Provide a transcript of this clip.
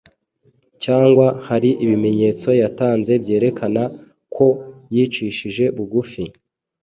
cyangwa hari ibimenyetso yatanze byerekana ko yicishije bugufi?